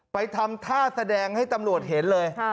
ทำท่าแสดงให้ตำรวจเห็นเลย